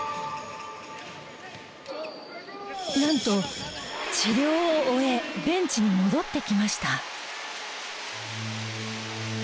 なんと治療を終えベンチに戻ってきました。